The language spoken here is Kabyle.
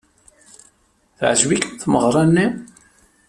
Teɛjeb-ikem tmeɣra-nni?